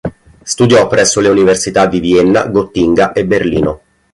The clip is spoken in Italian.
Studiò presso le Università di Vienna, Gottinga e Berlino.